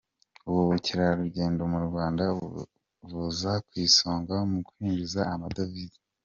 Ubu ubukerarugendo mu Rwanda buza ku isonga mu kwinjiza amadovize.